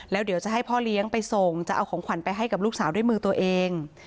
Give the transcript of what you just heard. แล้วเดี๋ยวจะให้พ่อเลี้ยงไปส่งจะเอาของขวัญไปให้กับลูกสาวด้วยมือตัวเอง